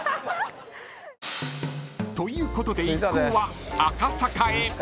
［ということで一行は赤坂へ］